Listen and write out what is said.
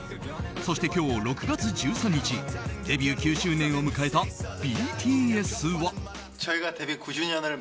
そして今日６月１３日デビュー９周年を迎えたＢＴＳは。